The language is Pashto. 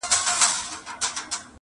د کور ټول غړي چوپ دي او وېره لري,